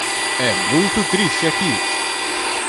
É muito triste aqui.